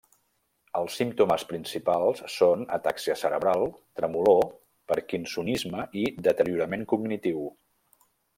Els símptomes principals són atàxia cerebral, tremolor, parkinsonisme i deteriorament cognitiu.